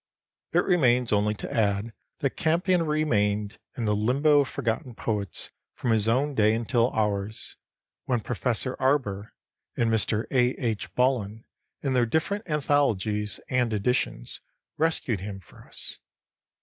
It remains only to add that Campion remained in the limbo of forgotten poets from his own day until ours, when Professor Arber and Mr. A. H. Bullen in their different anthologies and editions rescued him for us.